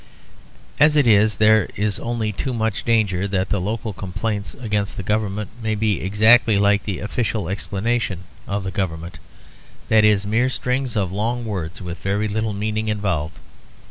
As it is there is only too much danger that the local complaints against the government may be exactly like the official explanations of the government; that is, mere strings of long words with very little meaning involved.